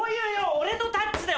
俺のタッチだよ